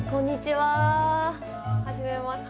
はじめまして。